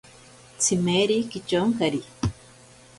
Tsimeri kityonkari.